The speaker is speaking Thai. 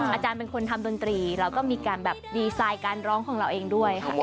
อาจารย์เป็นคนทำดนตรีเราก็มีการแบบดีไซน์การร้องของเราเองด้วยค่ะ